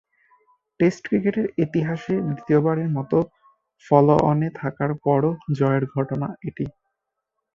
Test ক্রিকেটের ইতিহাসে দ্বিতীয়বারের মতো ফলো-অনে থাকার পরও জয়ের ঘটনা এটি।